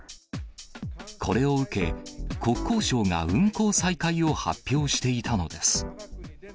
これを受け、国交省が運航再開を発表していたのです。